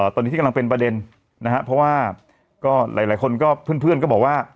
ตอนนี้ที่กำลังเป็นประเด็นนะครับเพราะว่าก็หลายคนก็เพื่อนก็บอกว่า